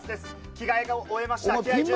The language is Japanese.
着替えを終えました。